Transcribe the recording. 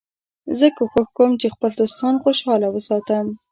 زه کوښښ کوم چي خپل دوستان خوشحاله وساتم.